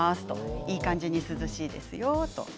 いい感じに涼しいですよ。